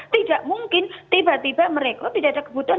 tidak mungkin tiba tiba merekrut tidak ada kebutuhan